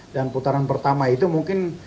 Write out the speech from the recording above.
dan putaran pertama itu mungkin